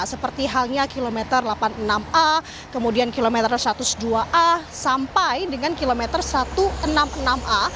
seperti halnya kilometer delapan puluh enam a kemudian kilometer satu ratus dua a sampai dengan kilometer satu ratus enam puluh enam a